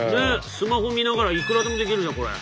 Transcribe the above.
スマホ見ながらいくらでもできるじゃんこれ。